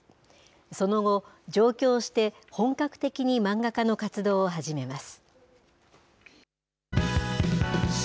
その後、上京して本格的に漫画家の活動を始めます。